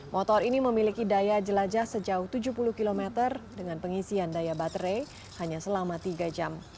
motor ini memiliki daya jelajah sejauh tujuh puluh km dengan pengisian daya baterai hanya selama tiga jam